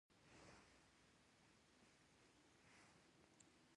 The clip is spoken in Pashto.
د پښتو ژبې د بډاینې لپاره پکار ده چې منظمه وده هڅول شي.